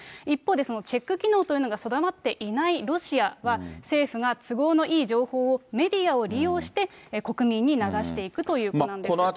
一方でそのチェック機能というのが備わっていないロシアは、政府が都合のいい情報をメディアを利用して、国民に流していくということなんです。